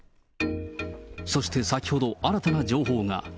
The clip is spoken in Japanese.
そして先ほど、新たな情報が。